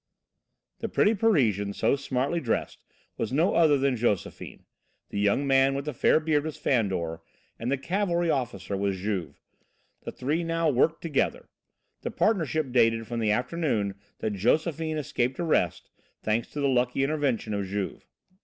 The pretty Parisian, so smartly dressed, was no other than Josephine. The young man with the fair beard was Fandor and the cavalry officer was Juve. The three now "worked" together. The partnership dated from the afternoon that Josephine escaped arrest, thanks to the lucky intervention of Juve.